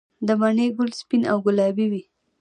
د مڼې ګل سپین او ګلابي وي؟